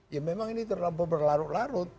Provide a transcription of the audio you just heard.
ya memang ini terlampau berlarut larut